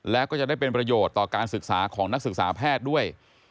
แล้วก็จะได้เป็นประโยชน์ต่อการศึกษาของนักศึกษาแพทย์ด้วย